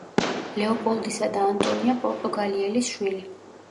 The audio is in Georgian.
ლეოპოლდისა და ანტონია პორტუგალიელის შვილი.